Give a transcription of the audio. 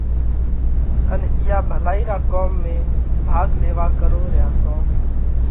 ان اِيئا ڀلائِي را ڪوم ۾ ڀاڳ ليوا ڪروھ ريا تو